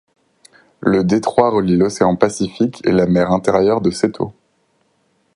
Le détroit relie l'océan Pacifique et la mer intérieure de Seto.